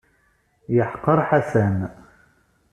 Yeḥqer Ḥasan.